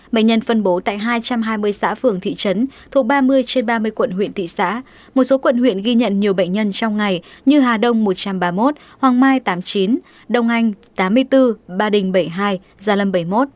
bệnh nhân phân bố tại hai trăm hai mươi xã phường thị trấn thuộc ba mươi trên ba mươi quận huyện thị xã một số quận huyện ghi nhận nhiều bệnh nhân trong ngày như hà đông một trăm ba mươi một hoàng mai tám mươi chín đông anh tám mươi bốn ba đình bảy mươi hai gia lâm bảy mươi một